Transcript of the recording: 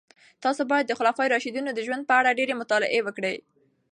تاسو باید د خلفای راشدینو د ژوند په اړه ډېرې مطالعې وکړئ.